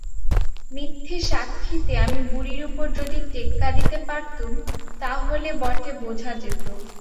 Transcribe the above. মিথ্যে সাক্ষিতে আমি বুড়ির উপর যদি টেক্কা দিতে পারতুম তা হলে বটে বোঝা যেত।